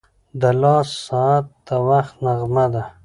• د لاس ساعت د وخت نغمه ده.